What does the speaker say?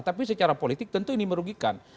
tapi secara politik tentu ini merugikan